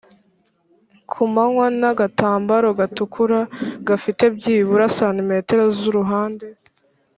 ku manywa n agatambaro gatukura gafite byibura santimetero z uruhande